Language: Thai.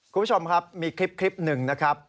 คุณผู้ชมครับมีคลิปหนึ่งนะครับ